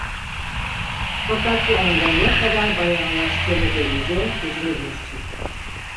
Fakat bu anda ne kadar bayağılaştığını görünce yüzünü buruşturdu.